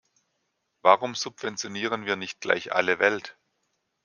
Warum subventionieren wir nicht gleich alle Welt?